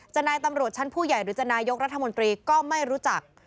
นายตำรวจชั้นผู้ใหญ่หรือจะนายกรัฐมนตรีก็ไม่รู้จัก